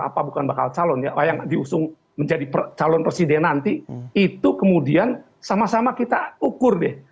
apa bukan bakal calon ya yang diusung menjadi calon presiden nanti itu kemudian sama sama kita ukur deh